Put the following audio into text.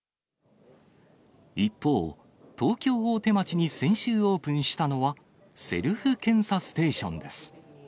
一方、東京・大手町に先週オープンしたのは、セルフ検査ステーションです。